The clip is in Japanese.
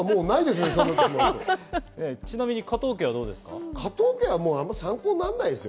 ちなみに加藤家はどうですか？